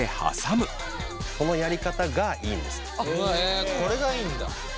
えこれがいいんだ。